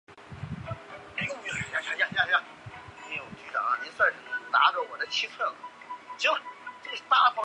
邪马台国的官吏中有大夫负责外交。